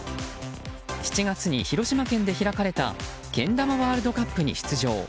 ７月に広島県で開かれたけん玉ワールドカップに出場。